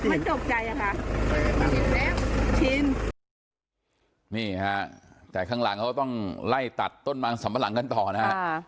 มันตกใจอะค่ะชินแล้วชินนี่ฮะแต่ข้างหลังเขาต้องไล่ตัดต้นมังสัมปะหลังกันต่อนะฮะ